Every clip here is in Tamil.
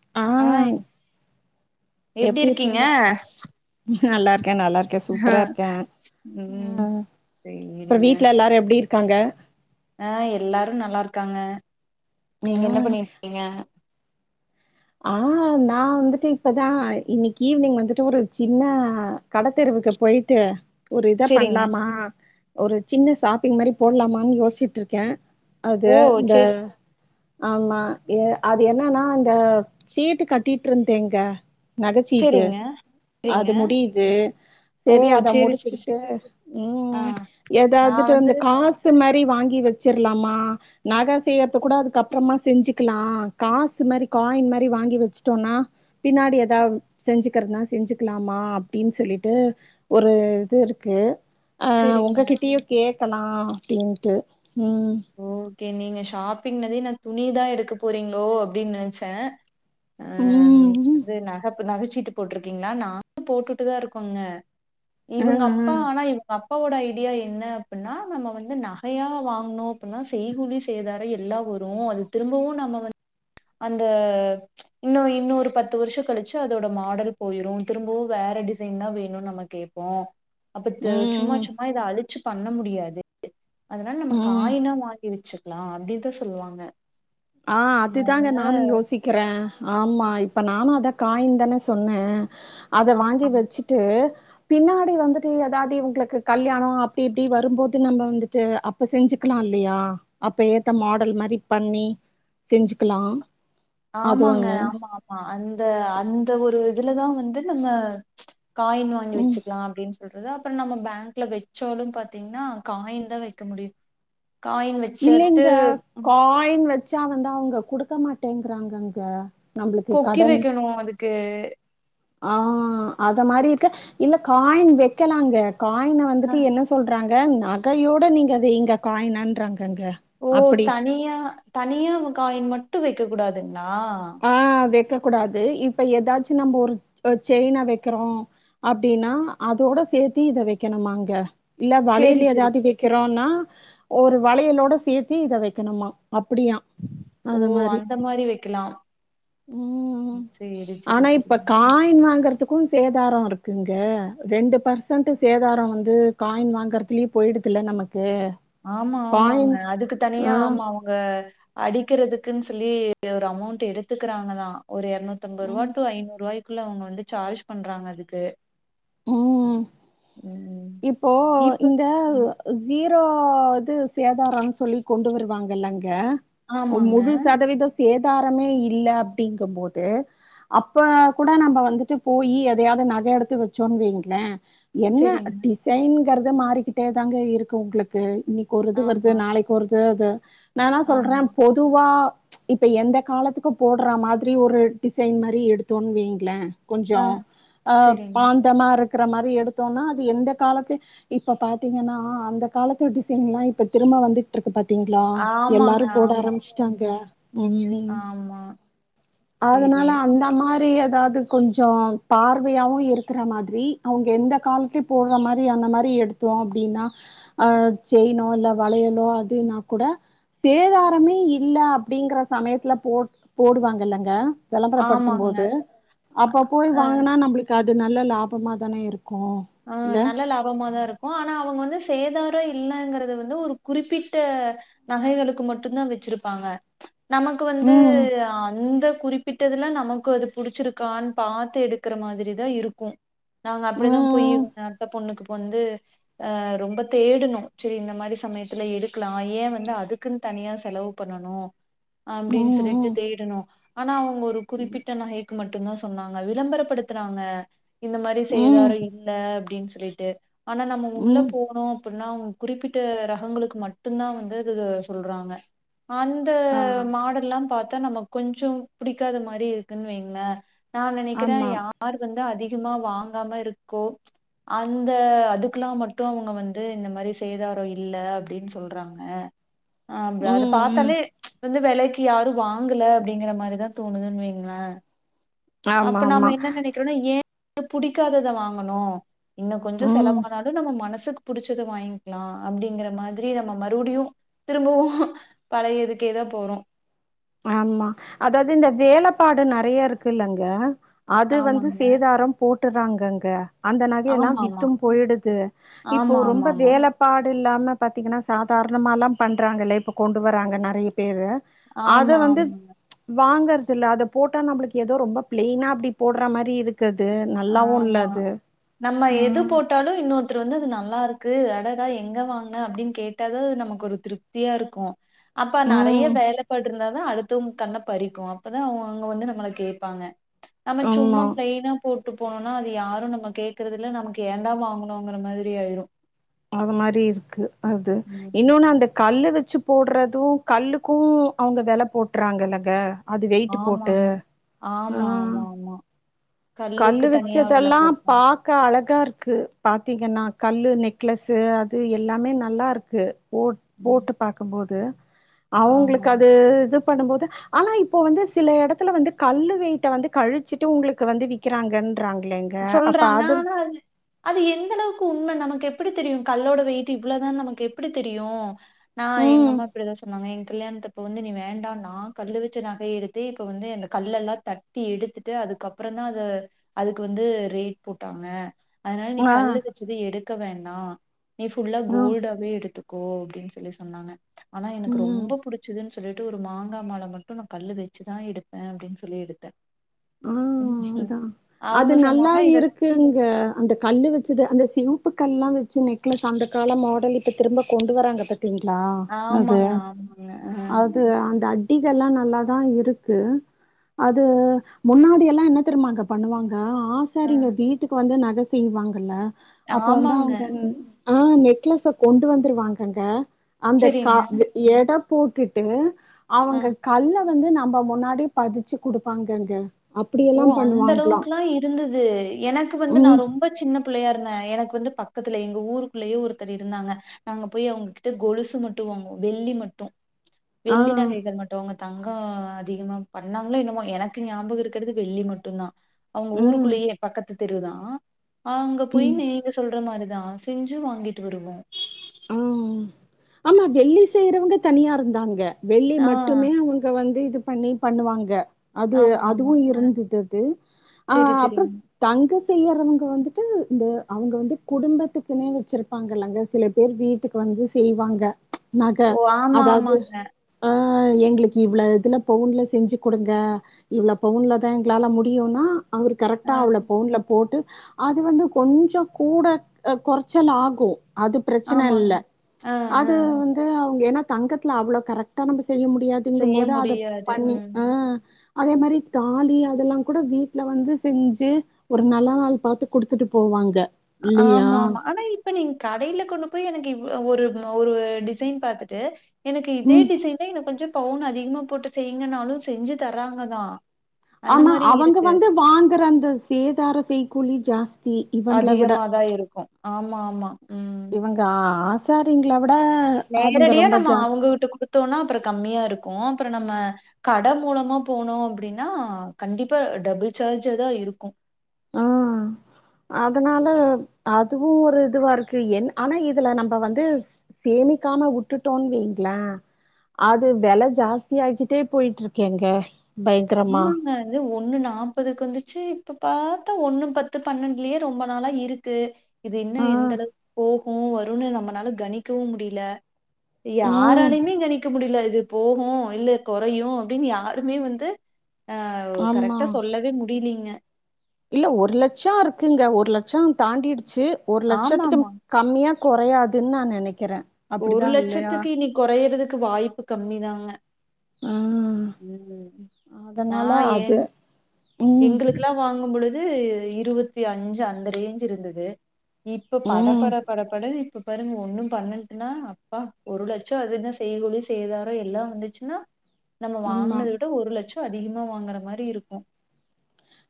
ஆ ஆ எப்படி இருக்கீங்க நல்லா இருக்கு க்க நல்லா இருக்கே சூப்பரா இருக்கே ம் அப்ற வீட்டுல எல்லாரு எப்படி இருக்கு இருக்காங்க அ எல்லாரு நல்லா இருக்காங்க நீங்க என்ன ம் பண்ணிடுருக்கீங்க ஆ நான் வந்துட்டு இப்பதா இன்னைக்கு ஈவினிங் வந்துட்டு ஒரு சின்ன கடத்தெர்வுக்கு போயிட்டு ஒரு இதை சேரிங்க பண்ணலாமா ஒரு சின்ன ஷாப்பிங் மாதிரி போடலாமான்னு யோசிட்டு இருக்கே அது ஓ இந்த சேர் ஆமா ஏ அது என்னன்னா இந்த சீட்டு கட்டிட்டு இருந்தேங்க நகைச்சீட்டு சேரிங்க சேரிங்க அது முடியுது ஓ செரி அதை சேரி சேரி சே முடிச்சுட்டு ஆ ம் ஏதாவதுட்டு வந்து காசு மாரி வாங்கி வச்சிரலாமா நக செய்றது கூட அதுக்ப்றமா செஞ்சுக்கலா காசு மாரி காயின் மாரி வாங்கி வச்சுட்டோம்னா பின்னாடி ஏதாவ் செஞ்சுக்கிறதுன செஞ்சுக்கலாமா அப்படின் சொல்ட்டு ஒரு இது இருக்கு ஆ சேரிங்க உங்ககிட்டியே கேட் இருக்கலா அப்டின்ட்டு ம் கே நீங்க ஷாப்பிங்னத நா துணிதா எடுக்க போறீங்களோ அப்டின்னு நெனச்சே அ நீங்க ம். வந்து நகப் நகச்சீட்டு போட்டுருக்கீங்களா நானு போட்டுட்டுதா இருக்கோங்க அ, இவங்க அ. அப்பா ஆனா இவங்கப் அப்பாவோட ஐடியா என்ன அப்ன்னா நம்ம வந்து நகையா வாங்கனோ அப்பல்லா செய்கூலி சேதாரோ எல்லா வரு அது திரும்பவு நம்ம வந்து அந்த இன்னு இன்னொரு பத்து வருஷ கழிச்சு அதோட மாடல் போயிரும் திரும்பவு வேற டிசைன்தா வேணும்னு நம்ம கேப்போ அப்பத்த ம் சும்மா சும்மா இத அழு ச்சு பண்ண முடியாது அதனால நமக்கு ம் காயினா வாங்கி வச்சிரு ளா அப்டிதா சொல்லுவாங்க ஆ அதுதாங்க அதனால நானு யோசிக்கிறே ஆமா இப்ப நானு அத் அதா காயின் தானே சொன்னே அத வாங்கி வச்சுட்டு பின்னாடி வந்துட்டு ஏதாவது இவங்களுக்கு கல்யாணோ அப்டி இப்டி வரும்போது நம்ம வந்துட்டு அப்ப செஞ்சுக்கலாயில்லையா அப்ப ஏத்த மாடல் மாரி பண்ணி செஞ்சுக்கலா அது ஆமாங்க ஒண்ணு ஆமா ஆமா அந்த அந்த ஒரு இதுல தா வந்து நம்ம காயின் வாங்கி ம் வச்சுக்கலா அப்புடின் சொல் அதுதா அப்ப நம்ம பேங்க்ல வச்சாலு பாத்தீங்கன்னா காயின் தா வைக்க முடியு காயின் வச்சுட்டு இல்லைங்க ம், காயின் வச் ச்சா வந்து அவுங்க குடுக்க மாட்டேங்கறாங்கங்க கொக்கி வைக்கணு அதுக்கு ஆஹ் அத மாரி இருக்க இல்ல காயின் வைக்கலாங்க காயின வந்துட்டு அஹ், என்ன சொல்றாங் க நகையோட நீங்க அது எங்க காயினன்றாங்க ஓ தனியா தனியா காயின் மட் டு வைக்க கூடாது ஆ ஆ வெக்க கூடாது இப்ப ஏதாச்சு நம்ப ஒரு செயின்னா வைக்கிறோ அப்படின்னா அதோட சேர்த்தி இத வைக்கணுமாங்க இல்ல சேரி வழியில சேரி ஏதாவது வைக்கிறோம்னா ஒரு வளையலோட சேர்த்தி இத வைக்கணுமா அப்படியா ஓ அந்த மாரி வைக்கலா ம் சேரி சேரி ஆனா இப்ப சேரிங்க காயின் வாங்கறதுக் அப்பவு சேதாரம் இருக்குங்க ரெண்டு பர்சன்ட்டு சேதார வந்து காயின் வாங்குறதுலயே போயடுதுல நமக் ஆமா ஆமாங்க அதுக்கு ஆ தனியா ஆமா அவுங்க அடிக்கிறதுக்கு இருக்குன்னு சொல்லி ஒரு அமௌண்ட் எடுத்துக்கிறாங்க தான் ஒரு இறநுத்தம்பது ரூபா ம் டு ஐநூறுபாய் குள்ள அவங்க வந்து சார்ஜ் பண்றாங்க அதுக்கு உம் ம் இப்போ இந்த இப்ப ஜீ இப்போ இது சேதாரம் சொல்லி கொண்டு வருவாங்கல்லங் ய ஆமாங்க. முழு சாதவிதோ சேத் சேதாரமே இல்ல அப்படிங்கு போது அப்ப கூட நம்ப வந்துட்டு போயி எதையாவது நகை எடுத்து வச் சொன்வீங்களே என்ன சரிங்க. டிசைன் ங்கறத மாறிக்கிட்டே தாங்க இருக்கு உங்களுக்கு இன்னைக்கு ஒரு இது வருது ஆமா, நாளைக்கு ஒரு து து நான் தான் சொல்றேன் ஆமா. பொதுவா இப்ப எந்த காலத்துக்கு போடுற மாதிரி ஒரு டிசைன் மாரி எடுத்தோன்னு வைங்களேன் கொஞ்சோ ஆ சரிங்க. அஹ் இருக்கிற மாதிரி எடுத்தோம்னா அது எந்த காலத்து இப்ப பாத்தீங்கன்னா அந்த காலத்து டிசைன் எல்லாம் இப்ப திரும்ப வந்துட்டு இருக்கு பாத்திங்களா ஆமாங்க. எல்லாரும் போட ஆமா, ஆரம்பிச்சுிட்டாங்க உம் ஆமா. சரி. அதனால அந்த மாரி ஏதாவது கொஞ்ச பார்வையாவவும் இரு இருக்கற மாதிரி அவங்க எந்த காலத்துலயையும் போடுற மாதிரி அந்த மாதிரி எடுத்தோம் அப்படின்னா அஹ் செயினோ இல்ல வளையலோ அதுனா கூட சேதாரமே இல்ல அப்படிங்கற சமயத்துல போட போடுவாங்க இல்லங்க விளம்பர படிச்சு ஆமாங்க. போது அப்ப போய் அ, வாங்கினா நம்மளுக்கு நல்ல லாபமா தானே இருக்கு ஆஹ் இல்ல நல்ல லாபமாதான் இருக்கும் ஆனா அவங்க வந்து சேதார இல்லங்கிறது வந்து ஒரு குறிப்பிட்ட நகைகளுக்கு மட்டும் தான் வச்சிருப்பாங்க நமக்கு வந்து ம் அந்து குறிப்பிட்டதுல்லா நமக்கு அது புடிச்சிருக்கான் பாத்து எடுக்குற மாதுரிதா இருக்கு நாங்க அப்படிதா ம் புய்யுந்த அந்த பொண்ணுக்கு வந்து அ ரொம்ப தேடுணு செரி இந்த மாரி சமயத்துல எடுக்லா ஏ வந்து அதுக்குன் தனியா செலவு பண்ணனு அப்டின் சொல்லிட்டு ம் தேடுணு ஆனா அவ் ஒரு ம் குறிப்பிட்ட நகைக் மட்டுந்தா சொன்னாங்க விளம்பரப்படுத்துறாங்க இந்த மாரி ம் செய்தாரி அ அப்டின் சொல்லிட்டு ஆனா நம்ம உள்ள ம் போனோ புட்னா அவுங் குறிப்பிட்ட ரகங்களுக்கு மட்டுந்தா வந்து இது சொல்றாங்க அந்த ஆ மாடல்லா பாத் த நம்ம கொஞ்சோ புடிக்காத மாரி இருக்குன் வைங்ள நா நனக்கிற ஆமா யார் வந்து அதிக கிமா வாங்காம இருக் கோ அந்த அதுக்லா மட்டு அவுங்க வந்து இந்த மாரி சேதாரோ இல்ல அப்டின் சொல்றாங்க அ அப்ற அத ம் ம் பாத்தாலே வந்து வெலக்கி யாரு வாங்குல அப்டிங்கிற மாரிதா தோணுதுன் வைங்ளே ஆமா அப்ப ஆமா நாம என்ன நெனைக்கிறோன்னா ஏ புடிக்காதத வாங் அனு இன்னு கொஞ்ச ம் செலவானாலு நம்ம மனசுக் புடிச்சத வாய்ங்கலா அப்பிடிங்கிற மாதிரி நம்ம மறுபடியு திரும்பவு பழையதுக்கே தா போறோ ஆமா அதாவது இந்த வேலப்பாடு நறைய இருக்கு இல்லங்க அது வந்து ஆமாங்க. சேதாரம் போ ட்டுராங்க அங்க அந்த நகையெல்லா ஆமாமா. வித்தும் போயிடுது இப்போ ஆமா, ரொம்ப ஆமாமா. வேலப்பாடு து இல்லாம பாத்தீங்கன்னா சாதாரணமால்லா பண்றாங்கல்ல இப்போ கொண்டு வராங்க நறைய பேரு அது ஆமா, வந்து ஆமாங்க. வாங்கற் இதுல அத போட்டா நம்மளுக்கு ஏதோ ரொம்ப பிளைனா அப்பிடி போடறா மாரி இருக் ஆமா நம்ம ஆ. எது போட்டாலு இன்னொருத்தர் வந்து அது நல்லாருக்கு அத எங்க வாங்ன அப்படின் கேட்டாதா அது நமக்கு ஒரு திருப்தியா இருக்கு அப்ப நெறைய ம் வேலைப்பாட்ருந்தா தா அடுத் தூம் கண்ண பறிக்கு அப்பதா அவங்க அங்க வந்து நம்மள கேப்பாங்க நம்ம சும்மா ஆமா பிளைனா கூப்ட்டு போனுனா அது யாரு நம்ம கேக்குறதில்ல நமக்கு ஏன்டா வாங்குணுங்கிற மாதிரி ஆயிரு அது மாரி இருக்கு அது ம். இன்னொன்னு அந்த கல்லு ச்சு படிச்சு போடுறதும் கல்லுக்கும் அவங்க வெல போட்டுறாங்கல்லங்க அது வெயிட்டு போட்டு ஆமாங்க. ஹ ஆமா, ஆமா, ஆமா. கல்லுக்கு கல்லு தனியா விலை வச்சதெல்லா போட்டாங்க. பாக்க அழகா பாத்தீங்கன்னா கல்லு நெக் நெக்லஸ்ஸு அது எல்லாமே நல்லா ருக்கு போட் ம். போட்டு பாக்கும்போது அவங்களுக்கு ஆமாங்க. அது இது பண்ணும்போது ஆனா இப்போ வந்து சில எடத்துல வந்து கல்லுவெயிட்ட வந்து கழிச்சிட்டு உங்களுக்கு வந்து விக்கிறாங்க சொல்றாங்க ஆனா அது அது எந்த ளவுக்கு உண்ம ந நமக்கு எப்டி தெரியு கல்லோட வெயிட்டு இவ்வளவுதான் நமக்கு எப்டி தெரியும் நா ம் எங்கம்மா இப்படிதா சொன்னாங்க எங்க கல்யாணத்து இப்ப வந்து நீ வேண்டா நா கல்லு வச்ச நக எடுத்து இப்ப வந்து எ கல்லெல்லா தட்டி எடுத்துட்டு அதுக்கப்பறந்தா அது அதுக் வந்து ரேட் போட்டாங்க அதனால நீ ஆ கல்லு வச்சது எடு க்க வேண்னா நீ புல்லா ம் கோல்டாவே எடுத்துக் கோ அப்டின்னு சொல்லி சொன்னாங்க ஆனா எனக்கு ம் ரொம்ப புடிச்சதுன் சொல்லிட்டு ஒரு மாங்கா மால மட்டும் நா கல்லு வச்சுதா எடுப்பே அப்டின்னு சொல்லி எடுத்த ம் [unintelligible] அதா அது நல்லா இருக்குங்க அந்த கல்லு வச்சது அந்த சிவுப்பு கல்லா வச்சு நெக்லஸ் அந்த கால மாடல் இப்ப திரும்ப கொண்டு வராங்கத்த திங்ளா அது ஆமாங்க, ஆமாங்க. அ. அது அந்த அட்டிகெல்லா நல்லாதா இருக்கு அது முன்னாடி எல்லா என்ன தெரிமாங்க பண்ணுவாங் க அ. ஆசாரிங்க வீட்டுக்கு வந்து ந நக செய்வாங்கல்ல அப்ப வந்து ஆமாங்க. அவங்கன் ஆஹ நெக்லஸ்ஸ கொண்டு வந்துருவாங்கங்க அந்த கா சரிங்க. வெ எடப் போட்டுட்டு அ. அவங்க கல்ல வந்து நம்ப முன்னாடி பதிச்சு குடுப்பாங்கங்க ஓ அந்த அளவுக்குலா இருந்துது எனக்கு வந்து நா உம் ரொம்ப சின்ன பிள்ளையா இருந்த எனக்கு வந்து பக்கத்துல எங்க ஊருக்குள்ளயே ஒருத்தர் இருந்தாங்க நாங்க போய் அவங்ககிட்ட கொலுசு மட்டு வாங்குவோ வெள்ளி மட்டு வெள்ளி ஆஹ் நகைகள் மட்டுங்க தங்கோ அதிகமா பண்ணாங்களோ என்னமோ எனக்கு ஞாபகோ இருக் க்கிறது வெள்ளி மட்டுந்தா அவங்க உம் ஊருக்குள்ளயே பக்கத்து தெருதா ஆ அங்க போயி உம் நீங்க சொல்ற மாரி தா செஞ்சு வாங்கிட்டு வருவோ ஆ ஆமா வெள்ளி செய்றவங்க தனியா இருந்தாங்க வெள்ளி ஆ. மட்டுமே அவங்க வந்து இது பண்ணி பண்ணுவாங்க அது ஆமா, ஆமா. அதுவு அ. இருந்துதது ஆ சரி, அப்புறோ சரிங்க. தங்க செய்யறவங்க வந்துட்டு இந்த அவங்க வந்து குடும்பத்துக்குனே வச்சிருப்பாங்கல்லங்க சில பேர் வீட்டுக்கு வந்து செய்வாங்க நக ஓ! ஆமா, அதாவது ஆமாங்க. ஆ ஆ எங்ளுக்கு இவ்ளோ இதுல பவுன்ல செஞ்சி குடுங்க இவ்ளோ பவுன்ல தா எங்களால முடியுன்னா அவரு கரெக்டா அ. அவ்ளோ பவுன்ல போட்டு அது வந்து கொஞ்சோ கூட அ கொறச்சல் ஆகும் அது பிரச்சன ஆமாங்க. இல்ல அ, அ. அது வந்து அவங்க என்னா தங்கத்துல அவ்ளோ கரெக்ட்டா நம்ப செய்ய செய்ய முடியாதுங்கும்போது அத முடியாது பண்ணி ம் ஆ அதே மாரி தாலி அதெல்லா கூட வீட்ல வந்து செஞ்சு ஒரு நல்ல நாள் பாத்து குடுத்துட்டு போவாங்க இல்லையா? ஆமா ஆமா ஆனா இப்ப நீங்க கடையில கொண்டு போய் எனக்கு ஒரு ஒரு டிசைன் பாத்துட்டு எனக்கு இதே ம் டிசைன்ல இன்னு கொஞ்சோ பவுன் அதிகமா போட்டு செய்ங்கனாலு செஞ்சு தராங்கதா ஆமா அவங்க வந்து வாங்குற அந்த சேதாரோ செய்கூலி சாஸ் தி இவங்கள விட அதிகமா தான் இருக்கும் ஆமா ஆமா ம் இவ்ங்க ஆசாரீங்களா நேரடியா நம்ம அவுங்ககுட்ட குடுத்தோன்னா அப்புறோ கம்மியா இருக்கு அப்புறோ நம்ம கட மூலமா போனோ அப்டின்னா கண்டிப்பா டபுள் சார்ஜாதா இருக்கு ஆஹ் அதனால அதுவு ஒரு இதுவா இருக்கு என் ஆனா இதுல நம்ப வந்து சேமிக்காம விட்டுட்டோன் வைங்களே அது வெல ஜாஸ்தி ஆகிட்டே போயிட்டு இருக்கேங்க ஆமாங்க இது ஒன்னு நாப்பதுக்கு வந்துச்சு இப்ப பாத்தா ஒண்ணு பத்து பன்னெண்டுலயே ரொம்ப நாளா இருக்கு இது என்ன ஆ எந்த அளவுக்கு போ உ வருன்னு நம்மனால கணிக்கவு முடியல ம் யாராலயுமே கணிக்க முடியல இது போகு இல்ல கொறையு அப்டின்னு யாருமே வந்து ஆஹ் ஆமா கரெக்டா சொல்லவே முடியலீங்க இல்ல ஒரு லட்சோ இருக்குங்க ஒரு லட்சோ தாண்டிடு ச்சி ஒரு லட்சத்துக்கு ஆமாமா. கம்மியா கொறையாதுனு நா நெனைக்கிறே ஒரு அப்டிதா இல்லையா லட்சத்துக்கு இனி கொறைறதுக் கு வாய்ப்பு கம்மி தாங்க ம் ம் நா அதனால ஏ அது ம் எங்களுக்குல்லா வாங்கும் பொழுது து இருவத்தி அஞ்சு அந்த ரேஞ்ச் இருந்தது இப்ப ம் படபட படபடனு இப்ப பாருங்க ஒன்னும் பண்ண னா அப்பா ஒரு லட்சோ அது என்ன செய்கூலி சேதாரோ எல்லா வந்துச்சுன்னா நம்ம ஆமா வாங்கினத விட ஒரு லட்சோ க்கு அதிகமா வாங்குற மாரி இருக்கு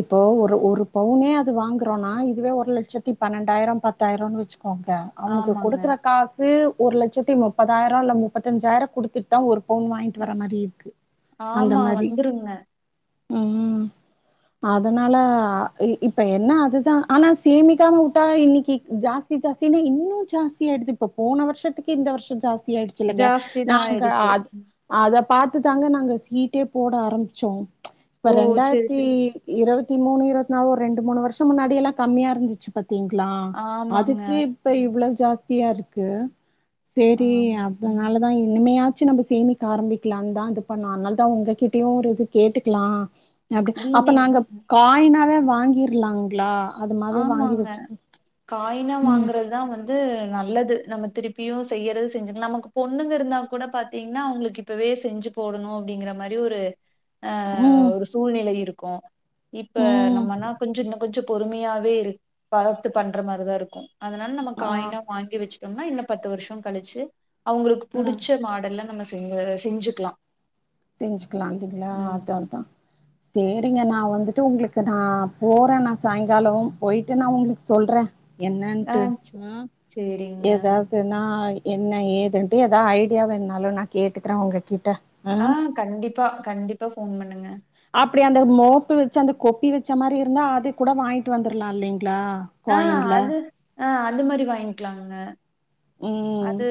இப்போ ஒரு ஒரு பவுனே அது வாங்கறோனா இதுவே ஒரு லட்சத்தி பன்னெண்டாயிரோ பத்தாயிரோனு வச்சு ஓகெய அவனுக்கு ஆமாங்க. கொடுக்கற காசு ஒரு லட்சத்தி முப்பதாயிரம் இல்ல முப்பத்தஞ்சாயிரம் குடுத்துட்டு தான் ஒரு பவுன் வாங்கிட்டு வர மாரி இருக்கு ஆமா வந்துருங்க உம் அதனால இப்ப என்ன அதுதா ஆனா சேமிகா முட்டாய் இன்னைக்கு ஜாஸ்தி ஜாஸ்தினா இன்னு ஜாஸ்தி ஆயிடுது இப்ப போன வர்ஷத்துக்கு இந்த வர்ஷோ ஜாஸ்தி ஜாஸ்தியாஆயிடுசுல்லங்க ஜாஸ்தி தான் நாங்க ஆயிடுச்சு. அத அத பாத் பாத்துதாங்க நாங்க சீட்டே போட ஆரம்பிச்சோ இப்ப ஓ! சரி, ரெண்டாயிரத்தி சரி. இருவத்தி மூணு இருவத்தி நாலு ரெண்டு மூணு வர்ஷோ முன்னாடி எல்லா கம்மியா இருந்துச்சு பத் ங்களா ஆமாங்க. அதுக்கு இப்ப இவ்வளவு ஜாஸ்தியா இருக்கு சரி ஆமா. அதனால இனிமையாச்சும் நம்ம சேமிக்க ஆரம்பிக்கலாம்னு தான் இது பண்ணும் அதனால தான் உங்ககிட்டயும் ஒரு இது கேட்டுக்கலாம் அப்டி இல்ல அப் நீங் நாங்க ம். காயினாவே வாங்கிற்லாங்கள ஆமாங்க காயினா ம் வாங்குறதுதான் வந்து நல்லது நம்ம திருப்பி இப்பயும் செய்யறது செஞ்சு நமக்கு பொண்ணுங்க இருந்தா கூட பாத்தீங்கன்னா அவங்களுக்கு இப்பவே செஞ்சு போடணும் அப்படிங்கிற மாதிரி ஒரு ஆஹ் ம் ஒரு சூழ்நிலை இருக்கு க்கோம் இப்ப ம் நம்மனா கொஞ்சம் இன்னும் கொஞ்சம் பொறுமையாக வேறு வளத்து பண்ற மாரிதான் இருக்கும் அதனால நம்ம ஆ காயினா வாங்கி வச்சு சொன்ன இன்னும் பத்து வருஷம் கழிச்சு அவங்களுக்கு புடிச்ச மாடல்ல நம்ம செய் வேற செஞ்சுக்கலாம் செஞ்சுக்கலாம் அன்றிங்கல அதா அதான் சரிங்க நான் வந்துட்டு உங்களுக்கு நான் போறேன் நான் சாயங்காலம் போய்டு நான் உங்களுக்கு சொல்றேன் ஆ என்னன்ட்டு சே உஹம் சேரிங்க ஏதாவது நா என்ன ஏதுன்ட்டு ஏதாவது ஐடியாவேணாலும் நான் கேட்டுக்கிறேன் உங்க கிட்ட ஆ ஆஹ கண்டிப்பா கண்டிப்பா போன் பண்ணுங்க அப்டி அந்த மோப்பு வச்சு அந்த கொப்பி வச்ச மாதிரி இருந்தா அது கூட வாங்கிட்டு வந்துரலாம் இல்லைங் இல்ல குவாய்ன்ல ஆஹ் அந்த மாரி வாய்ங்கலா இல்ல ம் அது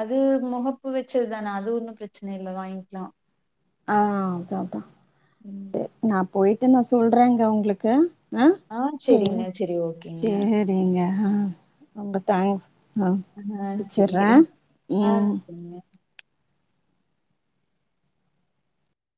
அது முகப்பு வச்சதுதானே அது ஒன்னு பிரச்சன இல்ல வாய்ங்கலா ஆஹ் அதா அதா உம் சரி நா போயிட்டு நா சொல்றேங்க உங்களுக்கு ஆஹ ஆ சேரிங்க சேரி ஓகேங்க சேரிங்க ஆஹ ரொம்ப தேங்க்ஸ் ஆ ஆஹ் சரி வச்சர்றே ஆஹ் ம் சரிங்க